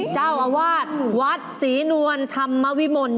เจ้าอาวาสวัดศรีนวลธรรมวิมล